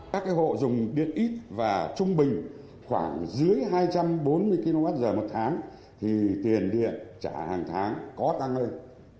các hộ dùng điện ít và trung bình khoảng dưới hai trăm bốn mươi kwh một tháng thì tiền điện trả hàng tháng có tăng lên